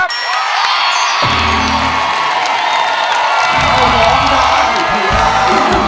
ลิ้น